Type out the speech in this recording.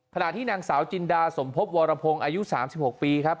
ขณะที่นางสาวจินดาสมพบวรพงศ์อายุ๓๖ปีครับ